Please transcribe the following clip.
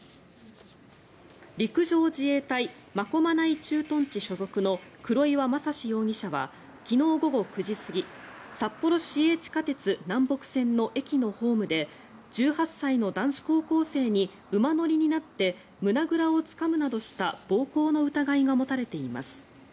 陸上自衛隊真駒内駐屯地所属の黒岩聖士容疑者は昨日午後９時過ぎ札幌市営地下鉄南北線の駅のホームで１８歳の男子高校生に馬乗りになって胸ぐらをつかむなどした暴行の疑いがもたれています。